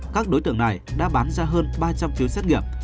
các đối tượng này đã bán ra hơn ba trăm linh phiếu xét nghiệm